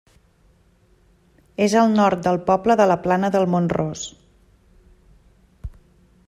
És al nord del poble de la Plana de Mont-ros.